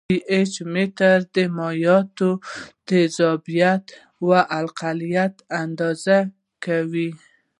پي ایچ متر د مایعاتو تیزابیت او القلیت اندازه کوي.